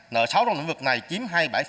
nợ sáu trong lĩnh vực này chiếm hai mươi bảy